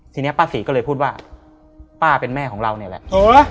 ทีนี้ป้าศรีก็เลยพูดว่าป้าเป็นแม่ของเราเนี่ยแหละ